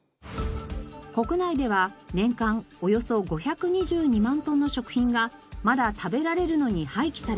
国内では年間およそ５２２万トンの食品がまだ食べられるのに廃棄されています。